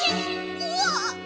うわっ！